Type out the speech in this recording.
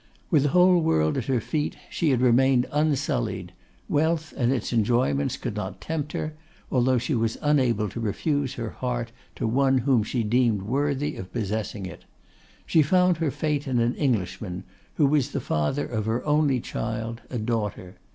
With the whole world at her feet, she had remained unsullied. Wealth and its enjoyments could not tempt her, although she was unable to refuse her heart to one whom she deemed worthy of possessing it. She found her fate in an Englishman, who was the father of her only child, a daughter.